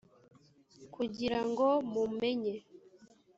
kugira ngo mumenye